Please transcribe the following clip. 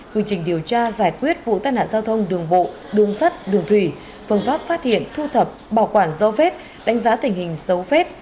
quy trình điều tra giải quyết vụ tai nạn giao thông đường bộ đường sắt đường thủy phương pháp phát hiện thu thập bảo quản dấu vết đánh giá tình hình dấu vết